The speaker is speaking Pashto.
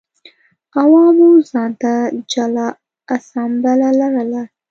عوامو ځان ته جلا اسامبله لرله.